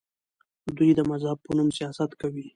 دوی د مذهب په نوم سیاست کوي.